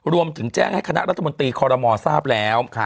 รวมถึงแจ้งให้คณะรัฐมนตรีคอรมอทราบแล้ว